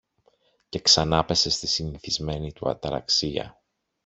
και ξανάπεσε στη συνηθισμένη του αταραξία.